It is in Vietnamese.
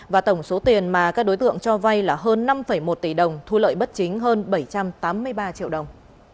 và tổng số tiền mà các đối tượng cho vay là hơn năm một tỷ đồng thu lợi bất chính hơn bảy trăm tám mươi ba triệu đồng